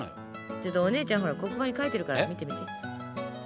ちょっとお姉ちゃん黒板に書いてるから見てみて。